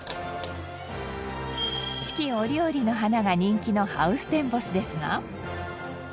四季折々の花が人気のハウステンボスですが。